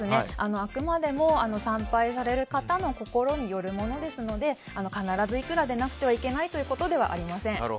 あくまでも参拝される方の心によるものですので必ずいくらでなくてはいけないということではありません。